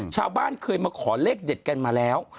ชาวบ้านเคยมาขอเลขเด็ดกันมาแล้ว